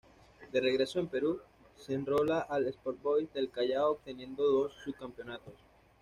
De regreso en Perú, se enrola al Sport Boys del Callao obteniendo dos sub-campeonatos.